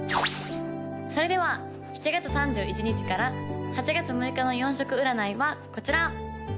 ・それでは７月３１日から８月６日の４色占いはこちら！